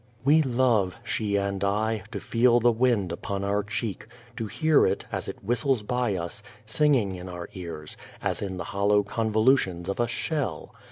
We love, she and I, to feel the wind upon our cheek, to hear it, as it whistles by us, sing ing in our ears, as in the hollow convolutions of a shell.